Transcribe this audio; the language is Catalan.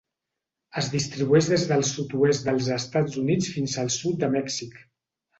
Es distribueix des del sud-oest dels Estats Units fins al sud de Mèxic.